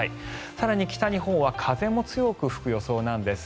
更に、北日本は風も強く吹く予想なんです。